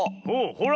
ほら。